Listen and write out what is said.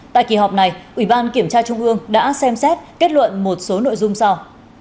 tại kỳ họp này ủy ban kiểm tra trung ương đã xem xét kết luận một số nội dung sau